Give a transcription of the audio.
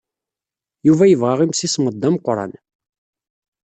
Yuba yebɣa imsismeḍ d ameqran.